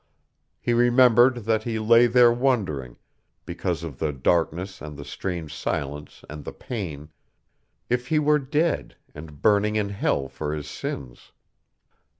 He remembered that he lay there wondering, because of the darkness and the strange silence and the pain, if he were dead and burning in hell for his sins.